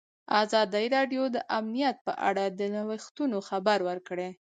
ازادي راډیو د امنیت په اړه د نوښتونو خبر ورکړی.